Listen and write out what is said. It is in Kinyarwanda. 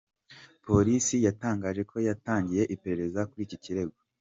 Polisi yatangaje ko yatangiye iperereza kuri iki kirego.